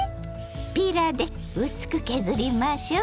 ピーラーで薄く削りましょう。